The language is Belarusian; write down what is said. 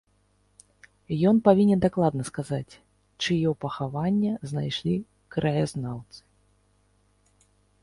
Ён павінен дакладна сказаць, чыё пахаванне знайшлі краязнаўцы.